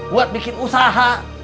buat bikin usaha